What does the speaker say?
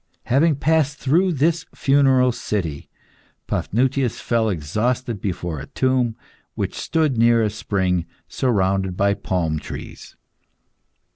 Having passed through this funeral city, Paphnutius fell exhausted before a tomb which stood near a spring surrounded by palm trees.